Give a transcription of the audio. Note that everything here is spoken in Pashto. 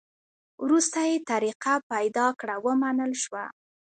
وروسته یې طریقه پیدا کړه؛ ومنل شوه.